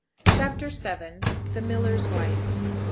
CHAPTER VII. THE MILLER'S WIFE.